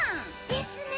ですね！